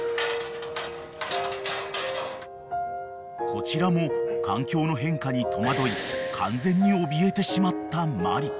［こちらも環境の変化に戸惑い完全におびえてしまったマリ］